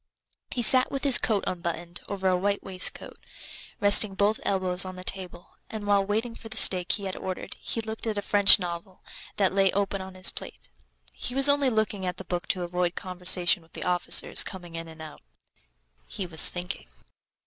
He sat with his coat unbuttoned over a white waistcoat, resting both elbows on the table, and while waiting for the steak he had ordered he looked at a French novel that lay open on his plate. He was only looking at the book to avoid conversation with the officers coming in and out; he was thinking.